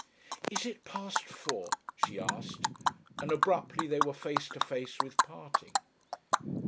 "Is it past four?" she asked, and abruptly they were face to face with parting.